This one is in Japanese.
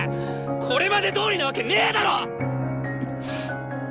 これまでどおりなわけねだろっ！